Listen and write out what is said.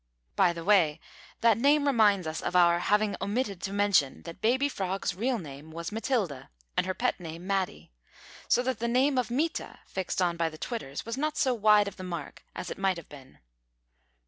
By the way, that name reminds us of our having omitted to mention that baby Frog's real name was Matilda, and her pet name Matty, so that the name of Mita, fixed on by the Twitters, was not so wide of the mark as it might have been.